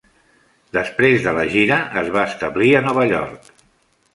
Després de la gira, es va establir a Nova York.